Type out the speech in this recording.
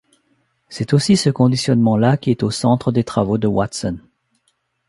C'est aussi ce conditionnement là qui est au centre des travaux de Watson.